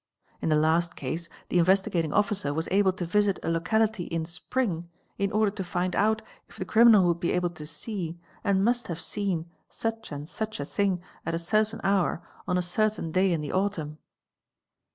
In the last case the Investigating Officer as able to visit a locality in spring in order to find out if the criminal uld be able to see, and must have seen, such and such a thing at a tain hour on a certain day in the autumn.